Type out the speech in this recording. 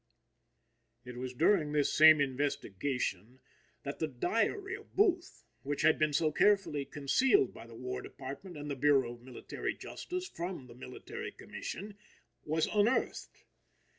It was during this same investigation, that the diary of Booth, which had been so carefully concealed by the War Department and the Bureau of Military Justice from the Military Commission, was unearthed.